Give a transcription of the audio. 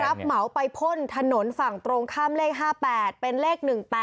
เหมาไปพ่นถนนฝั่งตรงข้ามเลข๕๘เป็นเลข๑๘